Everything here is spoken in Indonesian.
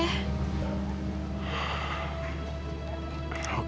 oke aku akan pulang